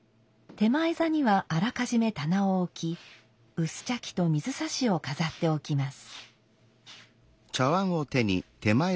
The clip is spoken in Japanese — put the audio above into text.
点前座にはあらかじめ棚を置き薄茶器と水指を飾っておきます。